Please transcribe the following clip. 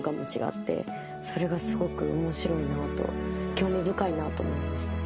興味深いなと思いました。